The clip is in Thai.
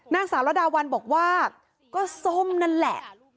นางสาวระดาวันบอกว่าก็ส้มนั่นแหละ